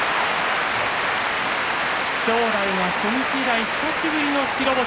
正代は初日以来久しぶりの白星。